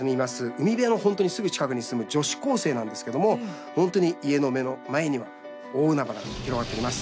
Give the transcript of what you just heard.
海辺の本当にすぐ近くに住む女子高生なんですけども本当に家の目の前には大海原が広がっております。